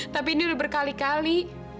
tapi ini udah berkali kali